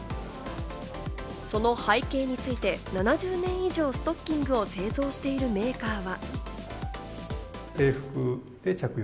その背景について、７０年以上、ストッキングを製造しているメーカーは。